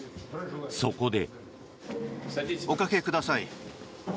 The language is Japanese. そこで。